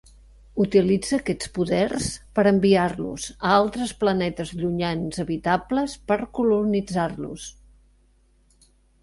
Utilitza aquests poders per enviar-los a altres planetes llunyans habitables per colonitzar-los.